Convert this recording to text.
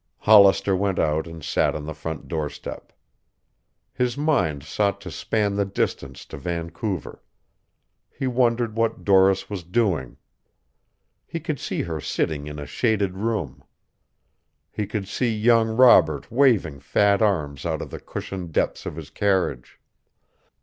Hollister went out and sat on the front doorstep. His mind sought to span the distance to Vancouver. He wondered what Doris was doing. He could see her sitting in a shaded room. He could see young Robert waving fat arms out of the cushioned depths of his carriage.